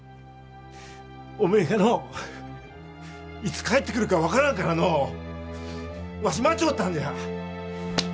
おめえがのういつ帰ってくるか分からんからのうわし待ちょったんじゃ。